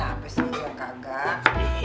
apa sih ya kagak